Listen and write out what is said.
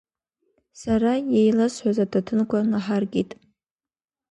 Сара иеиласҳәаз аҭаҭынқәа наҳаркит.